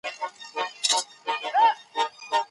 کمپيوټر ژبه ساتي.